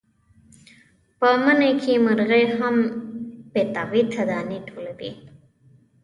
په مني کې مرغۍ هم پیتاوي ته دانې ټولوي.